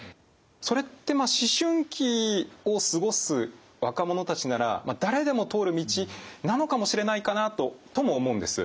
それってまあ思春期を過ごす若者たちなら誰でも通る道なのかもしれないかなととも思うんです。